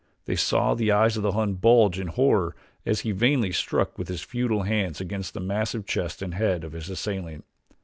They saw the eyes of the Hun bulge in horror as he vainly struck with his futile hands against the massive chest and head of his assailant.